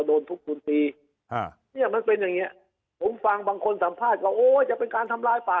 โดนทุบโดนตีอ่าเนี่ยมันเป็นอย่างเงี้ยผมฟังบางคนสัมภาษณ์ก็โอ้ยจะเป็นการทำลายป่า